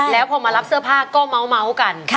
แล้วพอมารับเสื้อผ้าก็เมาส์กัน